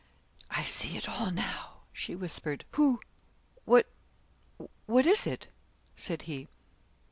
'I see it all now,' she whispered. 'Who what what is it?' said he.